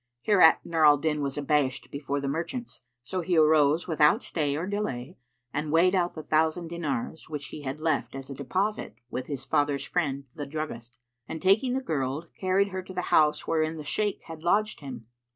Hereat Nur al Din was abashed before the merchants; so he arose without stay or delay and weighed out the thousand dinars which he had left as a deposit with his father's friend the druggist, and taking the girl, carried her to the house wherein the Shaykh had lodged him.